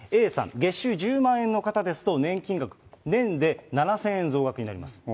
Ａさん、月収１０万円の方ですと、年金額、年で７０００円増額になります。